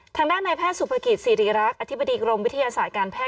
ทางด้านในแพทย์สุภกิจสิริรักษ์อธิบดีกรมวิทยาศาสตร์การแพท